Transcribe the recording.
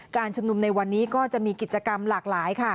การชุมนุมในวันนี้ก็จะมีกิจกรรมหลากหลายค่ะ